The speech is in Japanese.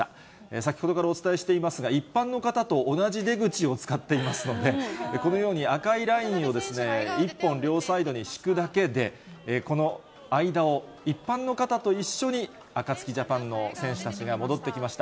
先ほどからお伝えしていますが、一般の方と同じ出口を使っていますので、このように赤いラインを一本両サイドに敷くだけで、この間を一般の方と一緒にアカツキジャパンの選手たちが戻ってきました。